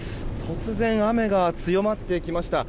突然雨が強まってきました。